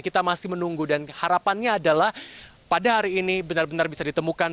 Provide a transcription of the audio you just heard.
kita masih menunggu dan harapannya adalah pada hari ini benar benar bisa ditemukan